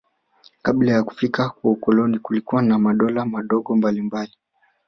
Kabla ya kufika kwa ukoloni kulikuwa na madola madogo mbalimbali